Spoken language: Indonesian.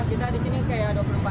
kita disini kayak dua puluh empat jam